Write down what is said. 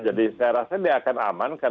jadi saya rasa dia akan aman